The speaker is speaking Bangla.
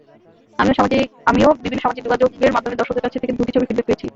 আমিও বিভিন্ন সামাজিক যোগাযোগের মাধ্যমে দর্শকদের কাছ থেকে দুটি ছবির ফিডব্যাক পেয়েছি।